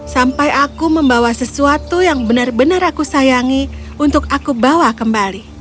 sampai aku membawa sesuatu yang benar benar aku sayangi untuk aku bawa kembali